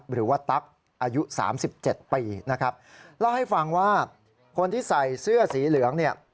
หรือว่าตั๊กอายุสามสิบเจ็ดปีนะครับเล่าให้ฟังว่าคนที่ใส่เสื้อสีเหลืองเนี่ย